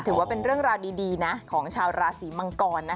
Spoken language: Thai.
ถือว่าเป็นเรื่องราวดีนะของชาวราศีมังกรนะ